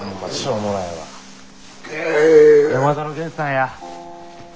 山田のゲンさんや。